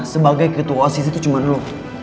sebagai ketua osis itu cuma lo